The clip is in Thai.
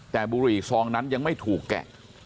แต่บุหรี่ซองนั้นยังไม่ถูกแกะ